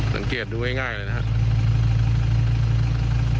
สังเกตดูง่ายเลยนะฮะ